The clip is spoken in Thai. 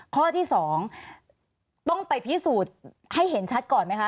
ข้อที่๒ต้องไปพิสูจน์ให้เห็นชัดก่อนไหมคะ